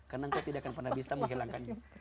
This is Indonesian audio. karena engkau tidak akan pernah bisa menghilangkannya